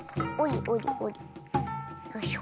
よいしょ。